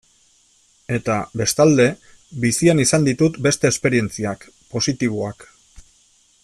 Eta, bestalde, bizian izan ditut beste esperientziak, positiboak.